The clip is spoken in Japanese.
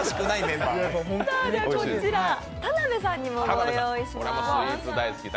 こちら田辺さんにもご用意しました。